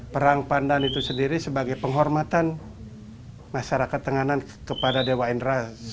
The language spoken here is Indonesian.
perang pandan itu sendiri sebagai penghormatan masyarakat tenganan kepada dewa indra